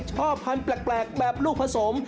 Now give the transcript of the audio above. ชอบพันธุ์แปลกแบบลูกผสม